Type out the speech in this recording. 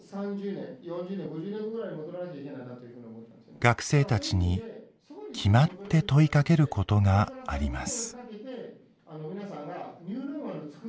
学生たちに決まって問いかけることがあります。